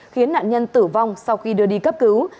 khiến nạn nhân tử vong sau khi đưa đi cấp cứu